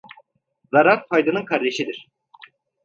Zarar faydanın kardeşidir.